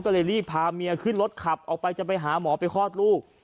ก็เลยรีบพาเมียขึ้นรถขับออกไปจะไปหาหมอไปคลอดลูก